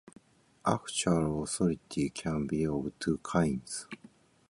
Actual authority can be of two kinds.